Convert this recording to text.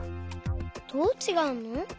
どうちがうの？